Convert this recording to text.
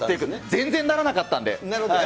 全然ならなかったんで。